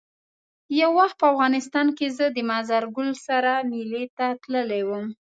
یو وخت په افغانستان کې زه د مزار ګل سرخ میلې ته تللی وم.